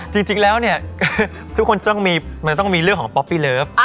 จริงแล้วเนี่ยทุกคนมันจะต้องมีเรื่องของป๊อปปี้เลิฟ